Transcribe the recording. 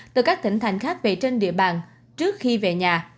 từ các tỉnh thành khác về trên địa bàn trước khi về nhà